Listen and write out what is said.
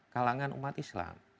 kalangan umat islam